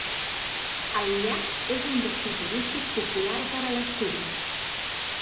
El llac és un destí turístic popular per a l'estiu.